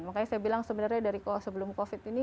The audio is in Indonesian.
makanya saya bilang sebenarnya dari sebelum covid ini